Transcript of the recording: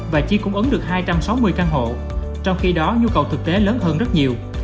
và chỉ cung ứng được hai trăm sáu mươi căn hộ trong khi đó nhu cầu thực tế lớn hơn rất nhiều